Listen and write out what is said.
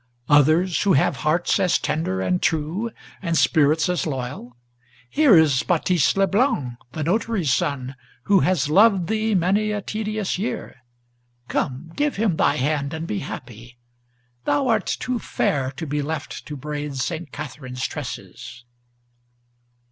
others Who have hearts as tender and true, and spirits as loyal? Here is Baptiste Leblanc, the notary's son, who has loved thee Many a tedious year; come, give him thy hand and be happy! Thou art too fair to be left to braid St. Catherine's tresses."